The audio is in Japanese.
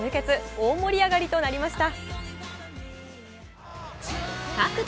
大盛り上がりとなりました。